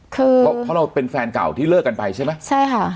เพราะเพราะเราเป็นแฟนเก่าที่เลิกกันไปใช่ไหมใช่ค่ะ